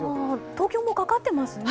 東京もかかっていますね。